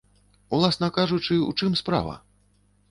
Уласна кажучы, у чым справа?